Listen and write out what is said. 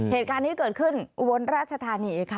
เหตุการณ์นี้เกิดขึ้นอุบลราชธานีค่ะ